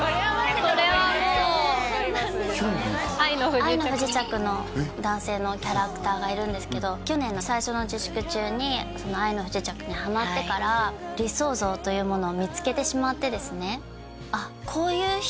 「愛の不時着」の男性のキャラクターがいるんですけど去年の最初の自粛中にその「愛の不時着」にハマってから理想像というものを見つけてしまってですねあっ